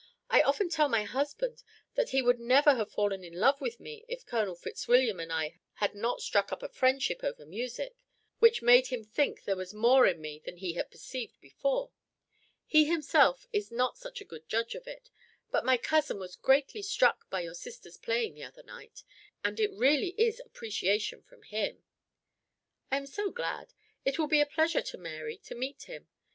I often tell my husband that he would never have fallen in love with me if Colonel Fitzwilliam and I had not struck up a friendship over music, which made him think there was more in me than he had perceived before. He himself is not such a good judge of it, but my cousin was greatly struck with your sister's playing the other night, and it really is appreciation from him." "I am so glad: it will be a pleasure to Mary to meet him.